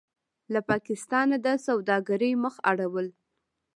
له پاکستانه د سوداګرۍ مخ اړول: